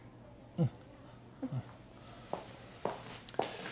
うん。